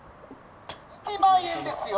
１万円ですよ